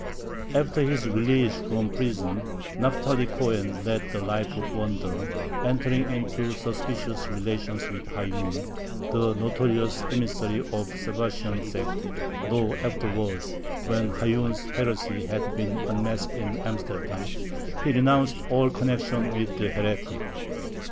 After his release from prison Naphtali Cohen led the life of a wanderer, entering into suspicious relations with Hayyun, the notorious emissary of the Sabbatian sect, though afterwards, when Hayyun's heresy had been unmasked in Amsterdam, he renounced all connection with the heretic.